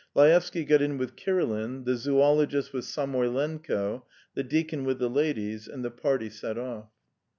Laevsky got in with Kirilin, the zoologist with Samoylenko, the deacon with the ladies, and the party set off.